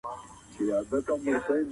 خپل ذهن ته استراحت ورکړئ.